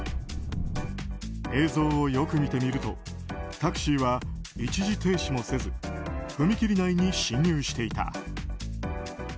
映像をよく見てみるとタクシーは一時停止もせず踏切内に進入していた。